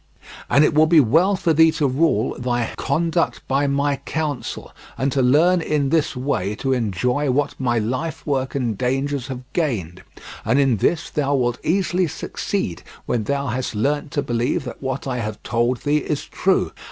And it will be well for thee to rule thy conduct by my counsel, and to learn in this way to enjoy what my life work and dangers have gained; and in this thou wilt easily succeed when thou hast learnt to believe that what I have told thee is true.